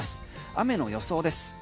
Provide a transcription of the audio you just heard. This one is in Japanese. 雨の予想です。